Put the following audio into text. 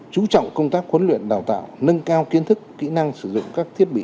chú trọng công tác huấn luyện đào tạo nâng cao kiến thức kỹ năng sử dụng các thiết bị